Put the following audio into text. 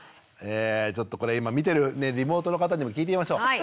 ちょっとこれ今見てるリモートの方にも聞いてみましょう。